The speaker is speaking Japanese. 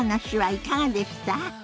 いかがでした？